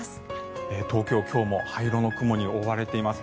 東京、今日も灰色の雲に覆われています。